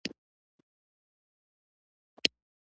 قیر یا سفالټ اختراع کړ.